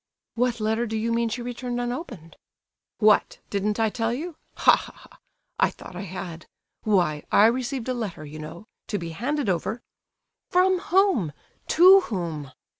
"What letter do you mean she returned unopened?" "What! didn't I tell you? Ha, ha, ha! I thought I had. Why, I received a letter, you know, to be handed over—" "From whom? To whom?"